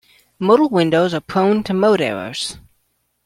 Modal windows are prone to mode errors.